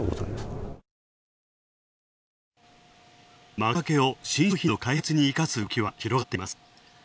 マクアケを新商品の開発に生かす動きは、広がっています。